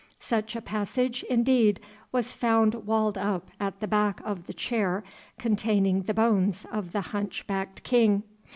Such a passage indeed was found walled up at the back of the chair containing the bones of the hunchbacked king.